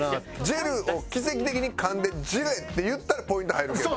ジェルを奇跡的にかんで「ジレ」って言ったらポイント入るけど。